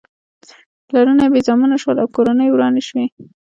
پلرونه بې زامنو شول او کورنۍ ورانې شوې.